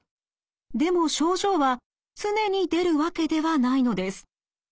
でも症状は常に出るわけではないのです。